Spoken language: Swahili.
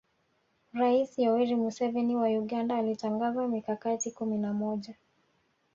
Rais Yoweri Museveni wa Uganda alitangaza mikakati kumi na moja